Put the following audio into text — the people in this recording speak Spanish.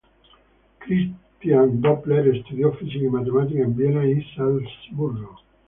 Christian Doppler estudió física y matemáticas en Viena y Salzburgo.